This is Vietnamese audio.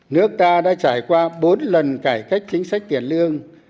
nước ta đã trải qua bốn lần cải cách chính sách tiền lương